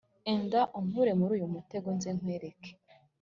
enda unkure muri uyu mutego nze nkwereke